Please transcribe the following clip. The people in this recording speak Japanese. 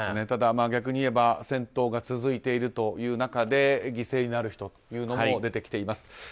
ただ、逆に言えば戦闘が続いている中で犠牲になる人も出てきています。